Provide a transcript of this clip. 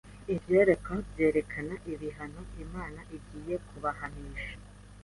Ibyerekwa byerekana ibihano Imana igiye kubahanisha